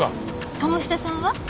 鴨志田さんは？